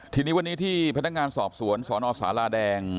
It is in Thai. ทีนี้วันนี้ที่พนักงานสอบสวนสนสาราแดง